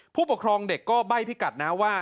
ผู้ปกครองเด็กก็ใบ้พี่กัดนะว่า